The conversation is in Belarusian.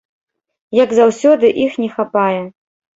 Як заўсёды, іх не хапае.